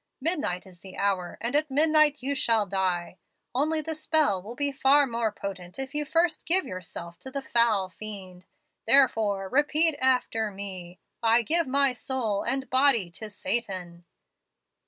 Midnight is the hour, and at midnight you shall die. Only the spell will be far more potent if you first give yourself to the foul fiend. Therefore, repeat after me: 'I give my soul and body to Satan.'